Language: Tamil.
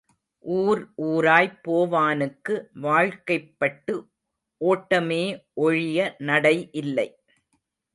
ஊர் ஊராய்ப் போவானுக்கு வாழ்க்கைப்பட்டு ஓட்டமே ஒழிய நடை இல்லை.